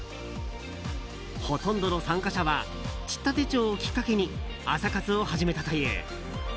ほとんどの参加者はＣＩＴＴＡ手帳をきっかけに朝活を始めたという。